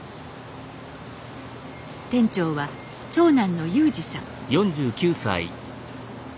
店長は長男の祐二さん